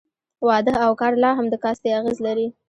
واده او کار لا هم د کاستي اغېز لري.